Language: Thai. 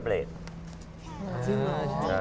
เพิ่งเร็วนี้เลยป่ะคะ